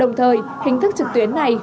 đồng thời hình thức trực tuyến này